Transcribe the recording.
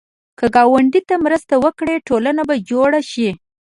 که ګاونډي ته مرسته وکړې، ټولنه به جوړه شي